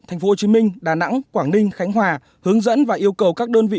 thành phố hồ chí minh đà nẵng quảng ninh khánh hòa hướng dẫn và yêu cầu các đơn vị